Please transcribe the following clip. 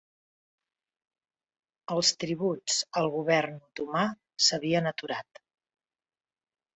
Els tributs al govern otomà s'havien aturat.